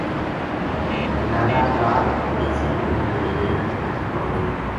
جنازہ رات دیسی لوکاں کے ڈیرے رکھیا صبح ہوئی